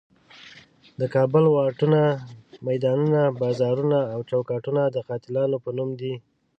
د کابل واټونه، میدانونه، بازارونه او چوکونه د قاتلانو په نوم دي.